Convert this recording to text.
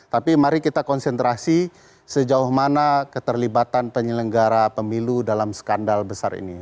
tapi mari kita konsentrasi sejauh mana keterlibatan penyelenggara pemilu dalam skandal besar ini